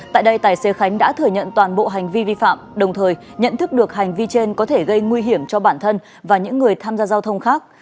tại đây tài xế khánh đã thừa nhận toàn bộ hành vi vi phạm đồng thời nhận thức được hành vi trên có thể gây nguy hiểm cho bản thân và những người tham gia giao thông khác